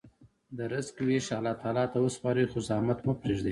د رزق ویش الله تعالی ته وسپارئ، خو زحمت مه پرېږدئ.